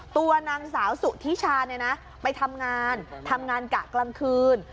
ตัวนางสาวสุธิชาเนี่ยนะไปทำงานทำงานกะกลางคืน